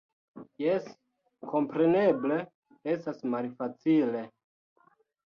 Jes, kompreneble estas malfacile.